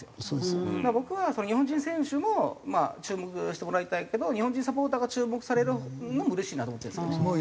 僕は日本人選手も注目してもらいたいけど日本人サポーターが注目されるのも嬉しいなと思ってるんですよね。